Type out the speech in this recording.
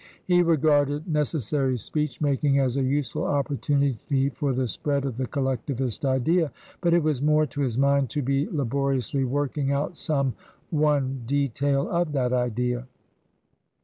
He regarded neces sary speech making as a useful opportunity for the spread of the Collectivist Idea ; but it was more to his mind to be laboriously working out some one detail of that Idea.